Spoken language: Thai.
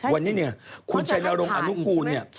วันนี้เนี่ยคุณชายนารมณ์อนุกูลเนี่ย